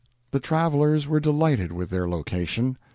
The travelers were delighted with their location.